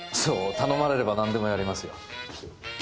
頼まれればなんでもやりますよ。